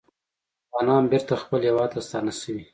افغانان بېرته خپل هیواد ته ستانه شوي